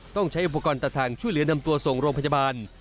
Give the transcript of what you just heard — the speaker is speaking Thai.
ต้องใช้อุปกรณ์ตัดทางช่วยเหลือนำตัวส่งโรงพยาบาล